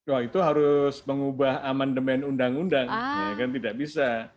wah itu harus mengubah amandemen undang undang kan tidak bisa